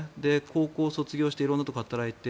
高校を卒業して色んなところで働いて